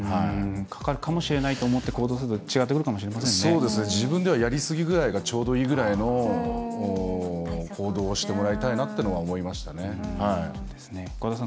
かかるかもしれないと思って行動すると自分ではやりすぎぐらいがちょうどいいぐらいの行動をしてもらいたいなとは思いました。